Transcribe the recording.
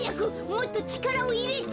もっとちからをいれて。